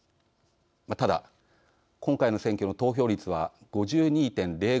ただ、今回の選挙の投票率は５２．０５％。